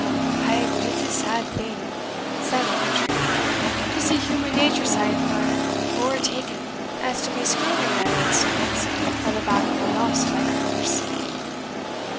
"Ay, but it's a sad thing," said Ochiltree, "to see human nature sae far owertaen as to be skirling at auld sangs on the back of a loss like hers."